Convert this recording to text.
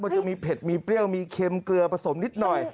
มันจะมีเผ็ดมีเปรี้ยวมีเค็มเกลือผสมนิดหน่อย